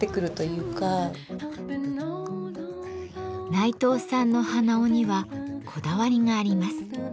内藤さんの鼻緒にはこだわりがあります。